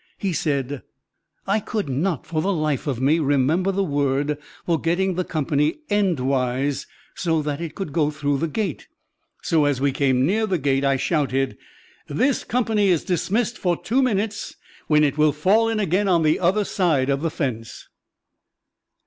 He said: "I could not, for the life of me, remember the word for getting the company endwise so that it could go through the gate; so, as we came near the gate, I shouted, 'This company is dismissed for two minutes, when it will fall in again on the other side of the fence.'"